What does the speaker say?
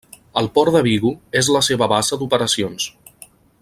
El port de Vigo és la seva base d'operacions.